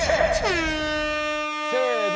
せの！